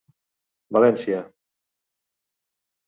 València: